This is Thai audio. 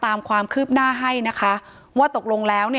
ถ้าใครอยากรู้ว่าลุงพลมีโปรแกรมทำอะไรที่ไหนยังไง